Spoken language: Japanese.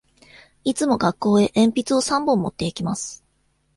いつも学校へ鉛筆を三本持って行きます。